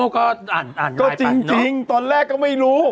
ก็จริงตอนแรกก็ไม่รู้